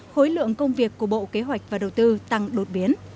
khối lượng công việc của bộ kế hoạch và đầu tư tăng đột biến